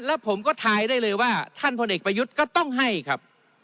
แล้วผมก็ทายได้เลยว่าท่านพลเอกประยุทธ์ก็ต้องให้ครับ